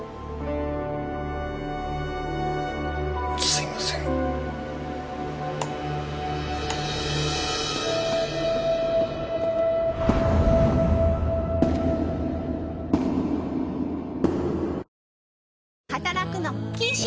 すいません働くの禁止！